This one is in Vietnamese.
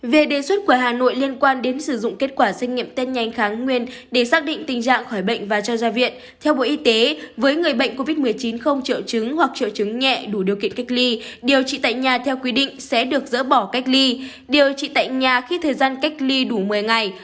về đề xuất của hà nội liên quan đến sử dụng kết quả xét nghiệm tên nhanh kháng nguyên để xác định tình trạng khỏi bệnh và cho ra viện theo bộ y tế với người bệnh covid một mươi chín không triệu chứng hoặc triệu chứng nhẹ đủ điều kiện cách ly điều trị tại nhà theo quy định sẽ được dỡ bỏ cách ly điều trị tại nhà khi thời gian cách ly đủ một mươi ngày